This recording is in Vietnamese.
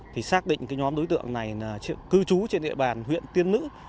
thì xác định cái nhóm đối tượng này là cư trú trên địa bàn huyện tiên nữ